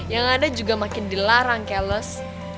yang ada juga makin dilarang cales